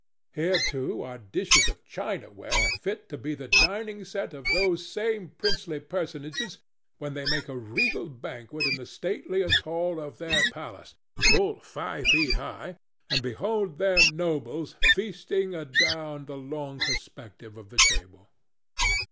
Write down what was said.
Here, too, are dishes of chinaware fit to be the dining set of those same princely personages when they make a regal banquet in the stateliest hall of their palace—full five feet high—and behold their nobles feasting adown the long perspective of the table.